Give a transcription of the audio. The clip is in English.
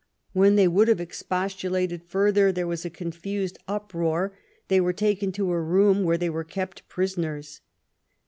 When they would have expostulated further there was a confused uproar ; they were taken to a room where they were kept prisoners.